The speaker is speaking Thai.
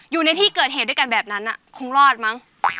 อยู่ในที่เกิดเหตุด้วยกันแบบนั้นคงรอดมั้ง